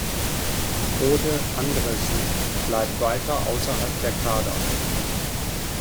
Frode Andresen bleibt weiter außerhalb der Kader.